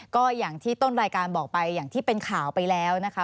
ก็อย่างที่ต้นรายการบอกไปอย่างที่เป็นข่าวไปแล้วนะคะ